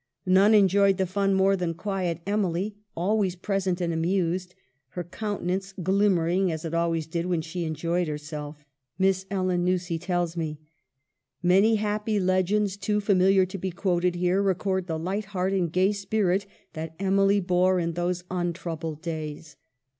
None enjoyed the fun more than quiet Emily, always present and amused, "her countenance glimmering as it always did when she enjoyed herself," Miss Ellen Nussey tells me. Many happy legends, too fa miliar to be quoted here, record the light heart and gay spirit that Emily bore in those untrou bled days.